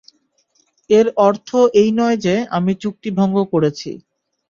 এর অর্থ এই নয় যে, আমি চুক্তি ভঙ্গ করেছি।